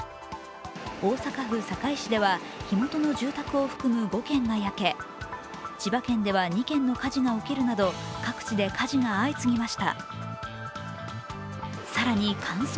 大阪府堺市では、火元の住宅を含む５軒が焼け千葉県では２件の火事が起きるなど各地で火事が相次ぎました。